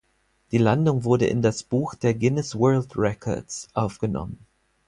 Die Landung wurde in das Buch der Guinness World Records aufgenommen.